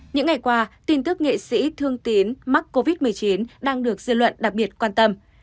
những ngày qua tin tức nghệ sĩ thương tiến mắc covid một mươi chín đang được dư luận đặc biệt quan tâm